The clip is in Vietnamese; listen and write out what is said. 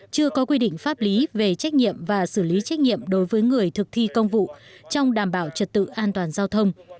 chưa có quy định pháp lý về trách nhiệm và xử lý trách nhiệm đối với người thực thi công vụ trong đảm bảo trật tự an toàn giao thông